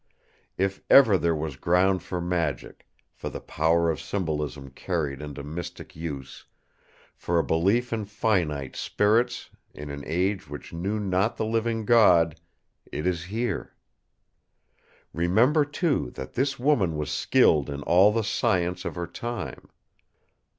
If ever there was ground for magic; for the power of symbolism carried into mystic use; for a belief in finites spirits in an age which knew not the Living God, it is here. "Remember, too, that this woman was skilled in all the science of her time.